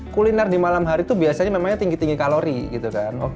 kuliner di malam hari itu biasanya memangnya tinggi tinggi kalori gitu kan